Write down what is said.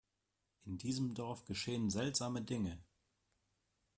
In diesem Dorf geschehen seltsame Dinge!